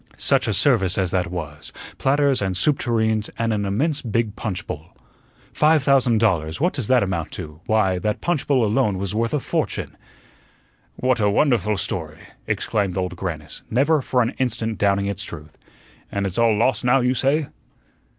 Such a service as that was platters and soup tureens and an immense big punchbowl. Five thousand dollars, what does that amount to? Why, that punch bowl alone was worth a fortune." "What a wonderful story!" exclaimed Old Grannis, never for an instant doubting its truth. "And it's all lost now, you say?"